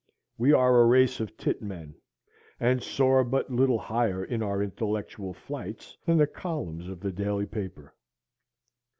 We are a race of tit men, and soar but little higher in our intellectual flights than the columns of the daily paper.